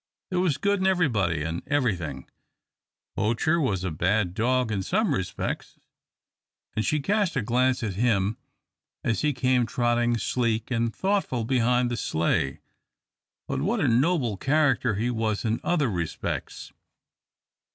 There was good in everybody and everything. Poacher was a bad dog in some respects, and she cast a glance at him as he came trotting sleek and thoughtful behind the sleigh, but what a noble character he was in other respects!